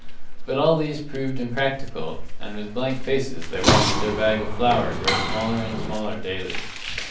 But all these proved impracticable, and with blank faces they watched their bag of flour grow smaller and smaller daily.